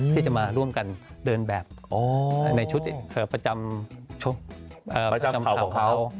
ที่จะมาร่วมกันเดินแบบในชุดประจำประจำเขาของเขา